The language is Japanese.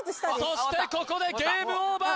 そしてここでゲームオーバー！